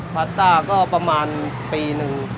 พาต้าก็ประมาณปีหนึ่ง